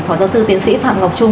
phó giáo sư tiến sĩ phạm ngọc trung